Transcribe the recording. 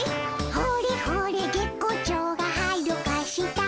「ほれほれ月光町がはるか下」